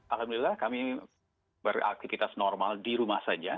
alhamdulillah kami beraktivitas normal di rumah saja